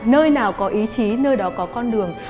nơi nào có ý chí nơi đó có con đường